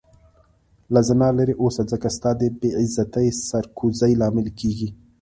له زنا لرې اوسه ځکه ستا د بی عزتي سر کوزي لامل کيږې